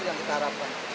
itu yang kita harapkan